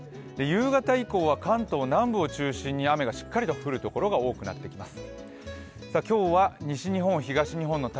夕方以降は関東南部を中心に雨がしっかりと降るところが多くなってきます。